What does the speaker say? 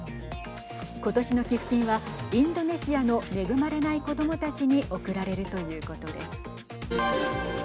今年の寄付金はインドネシアの恵まれない子どもたちに贈られるということです。